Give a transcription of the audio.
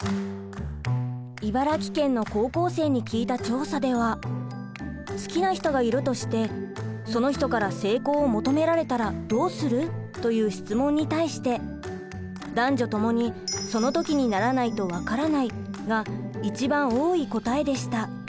茨城県の高校生に聞いた調査では「好きな人がいるとしてその人から性交を求められたらどうする？」という質問に対して男女ともに「そのときにならないとわからない」が一番多い答えでした。